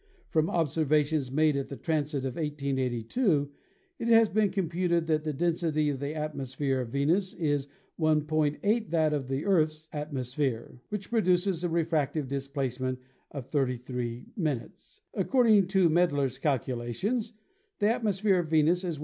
From observations made at the transit of 1882 it has been computed that the density of the atmosphere of Venus is 1.8 that of the Earth's at mosphere, which produces a refractive displacement of 33". According to Maedler's calculations, the atmosphere of Venus is 1.